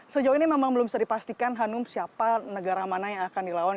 sejauh ini memang belum bisa dipastikan hanum siapa negara mana yang akan dilawan